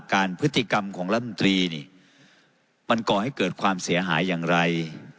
พฤติกรรมของรัฐมนตรีนี่มันก่อให้เกิดความเสียหายอย่างไร